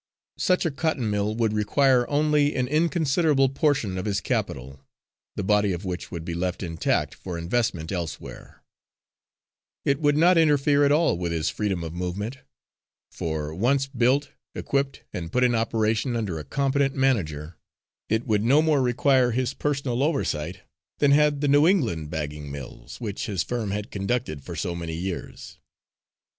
Such a cotton mill would require only an inconsiderable portion of his capital, the body of which would be left intact for investment elsewhere; it would not interfere at all with his freedom of movement; for, once built, equipped and put in operation under a competent manager, it would no more require his personal oversight than had the New England bagging mills which his firm had conducted for so many years.